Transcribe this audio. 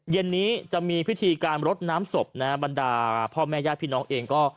เย็นนี้จะมีพิธีการรดน้ำศพนะฮะบรรดาพ่อแม่ญาติพี่น้องเองก็